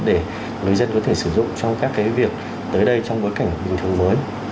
để người dân có thể sử dụng trong các việc tới đây trong bối cảnh bình thường mới